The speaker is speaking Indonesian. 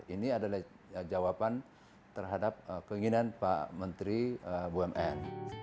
ini adalah jawaban terhadap keinginan pak menteri bumn